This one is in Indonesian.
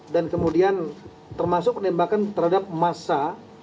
dan kemudian termasuk penembakan terhadap massa